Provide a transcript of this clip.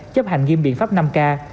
chấp hành nghiêm biện pháp năm k